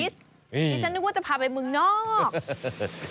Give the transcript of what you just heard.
นี่ฉันนึกว่าจะพาไปเมืองนอก